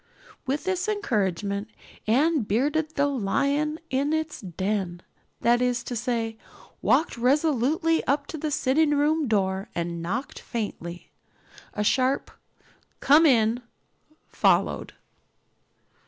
With this encouragement Anne bearded the lion in its den that is to say, walked resolutely up to the sitting room door and knocked faintly. A sharp "Come in" followed.